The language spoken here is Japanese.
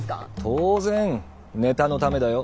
当然ネタのためだよ。